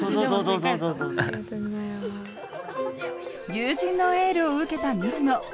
友人のエールを受けた水野。